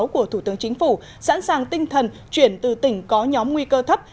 của thủ tướng chính phủ sẵn sàng tinh thần chuyển từ tỉnh có nhóm nguy cơ thấp